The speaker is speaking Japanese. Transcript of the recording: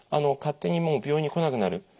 勝手にもう病院に来なくなる。